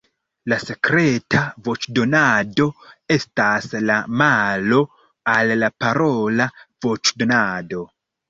La sekreta voĉdonado estas la malo al la parola voĉdonado.